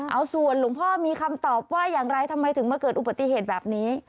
เอาส่วนหลวงพ่อมีคำตอบว่าอย่างไรทำไมถึงมาเกิดอุบัติเหตุแบบนี้